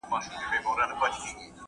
شاه شجاع به د هغوی پروړاندي امر نه صادروي.